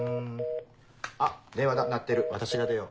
あ電話だ鳴ってる私が出よう。